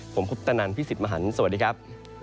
ผมคุปตนันพี่สิทธิ์มหันฯสวัสดีครับ